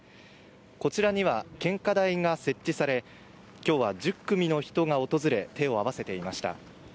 こちらには献花台が設置され今日は１０組の人が訪れ手を合わせていました。